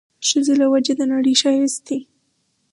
ښځې له وجه د نړۍ ښايست دی